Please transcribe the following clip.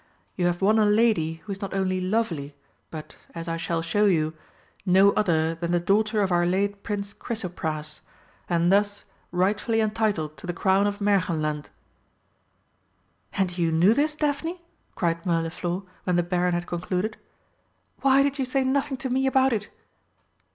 You have won a lady who is not only lovely, but, as I shall show you, no other than the daughter of our late Prince Chrysopras, and thus rightfully entitled to the crown of Märchenland." "And you knew this, Daphne?" cried Mirliflor when the Baron had concluded. "Why did you say nothing to me about it?"